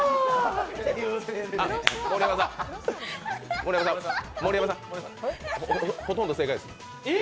盛山さん、盛山さんほとんど正解です。